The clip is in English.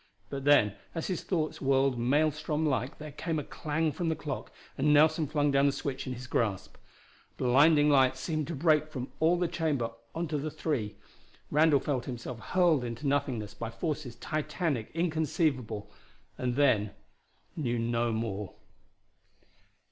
But then as his thoughts whirled maelstromlike there came a clang from the clock and Nelson flung down the switch in his grasp. Blinding light seemed to break from all the chamber onto the three; Randall felt himself hurled into nothingness by forces titanic, inconceivable, and then knew no more.